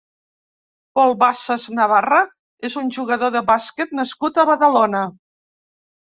Pol Bassas Navarra és un jugador de bàsquet nascut a Badalona.